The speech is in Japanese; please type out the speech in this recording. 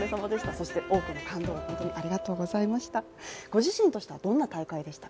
そして多くの感動を本当にありがとうございました。